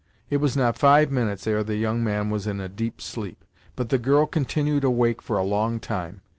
It was not five minutes ere the young man was in a deep sleep, but the girl continued awake for a long time.